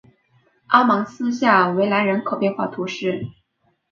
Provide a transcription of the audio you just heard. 阿芒斯下韦兰人口变化图示